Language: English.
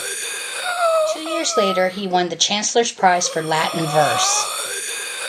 Two years later he won the Chancellor's prize for Latin verse.